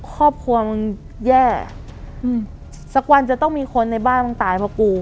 ครอบครัวมึงแย่อืมสักวันจะต้องมีคนในบ้านมึงตายเพราะกู